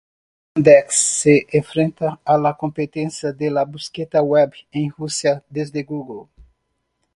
Yandex se enfrenta a la competencia de búsqueda web en Rusia desde Google.